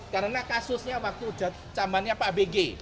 karena kasusnya waktu jamannya pak bg